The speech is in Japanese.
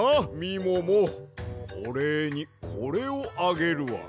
おれいにこれをあげるわ。